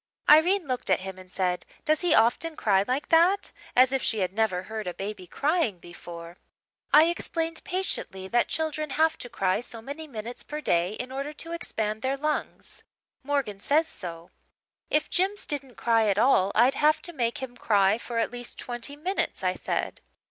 "Irene looked at him and said, 'Does he often cry like that?' as if she had never heard a baby crying before. "I explained patiently that children have to cry so many minutes per day in order to expand their lungs. Morgan says so. "'If Jims didn't cry at all I'd have to make him cry for at least twenty minutes,' I said.